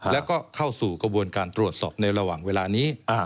แล้วก็เข้าสู่กระบวนการตรวจสอบในระหว่างเวลานี้